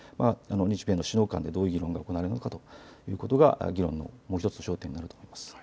どういう議論が行われるのかということが議論のもう１つの焦点だと思います。